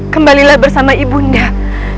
kembalilah bersama ibu undang